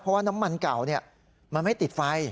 เพราะว่าน้ำมันเก่ามันไม่ติดไฟ